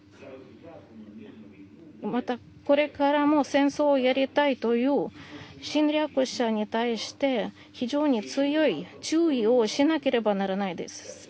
また、これからも戦争をやりたいという侵略者に対して非常に強い注意をしなければならないです。